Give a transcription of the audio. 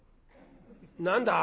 「何だ？」。